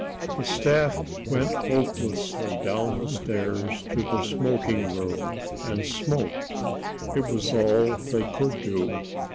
The staff went hopelessly down the stairs to the smoking room, and smoked. It was all they could do.